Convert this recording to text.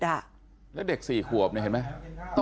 แล้วเด็กสี่ขวบเห็นไหมต้องมาตาย